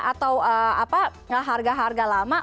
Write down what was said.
atau harga harga lama